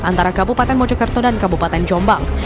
antara kabupaten mojokerto dan kabupaten jombang